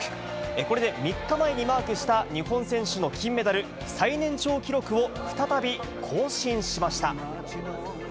これで３日前にマークした、日本選手の金メダル最年長記録を再び更新しました。